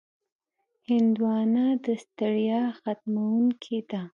هندوانه د ستړیا ختموونکې ده.